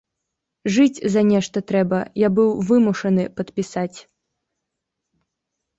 Жыць за нешта трэба, я быў вымушаны падпісаць.